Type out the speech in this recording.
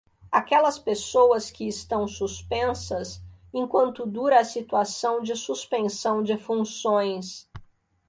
Aquelas pessoas que estão suspensas, enquanto dura a situação de suspensão de funções.